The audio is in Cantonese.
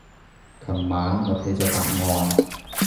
琴晚我睇咗答案